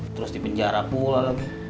terus dipenjara pula lagi